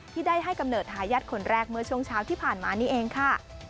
ที่ได้ให้กำเนิดทายาทคนแรกเมื่อช่วงเช้าที่ผ่านมานี่เองค่ะ